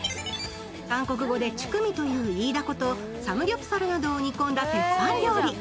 韓国語でチュクミというイイダコとサムギョプサルなどを煮込んだ鉄板料理。